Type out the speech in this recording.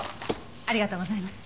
ありがとうございます。